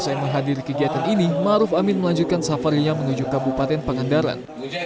usai menghadiri kegiatan ini maruf amin melanjutkan safarinya menuju kabupaten pangandaran